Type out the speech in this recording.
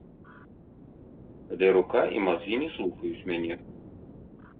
Але рука і мазгі не слухаюць мяне.